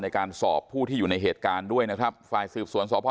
ในการสอบผู้ที่อยู่ในเหตุการณ์ด้วยนะครับฝ่ายสืบสวนสพ